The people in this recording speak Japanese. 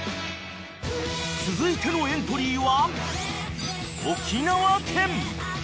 ［続いてのエントリーは］